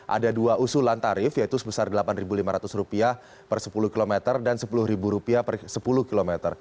ada dua usulan tarif yaitu sebesar rp delapan lima ratus per sepuluh km dan rp sepuluh per sepuluh km